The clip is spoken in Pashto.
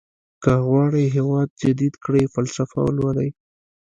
که غواړئ هېواد جديد کړئ فلسفه ولولئ.